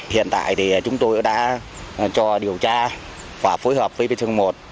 hiện tại thì chúng tôi đã cho điều tra và phối hợp với bên sương một